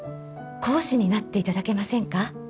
講師になっていただけませんか？